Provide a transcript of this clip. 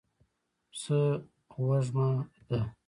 پسه وږمه ده.